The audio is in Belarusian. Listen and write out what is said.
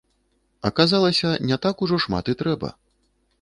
Аказалася, не так ужо шмат і трэба.